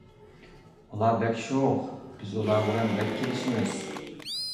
ئۇلار بەك شوخ، بىز ئۇلار بىلەن بەك كېلىشىمىز.